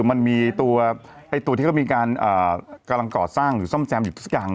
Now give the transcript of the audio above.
มันมีตัวที่เขามีการกำลังก่อสร้างหรือซ่อมแซมอยู่สักอย่าง